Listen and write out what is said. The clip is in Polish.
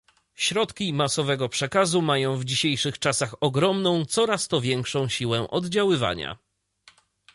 Środki masowego przekazu mają w dzisiejszych czasach ogromną, coraz to większą siłę oddziaływania